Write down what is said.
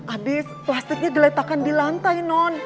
abis plastiknya diletakkan di lantai non